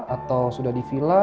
atau sudah di vila